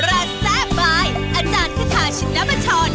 อาจารย์ขึ้นถ่ายชิ้นน้ำบัตรชน